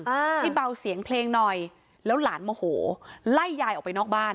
อ่าให้เบาเสียงเพลงหน่อยแล้วหลานโมโหไล่ยายออกไปนอกบ้าน